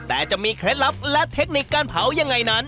แต่จะมีเคล็ดลับและเทคนิคการเผายังไงนั้น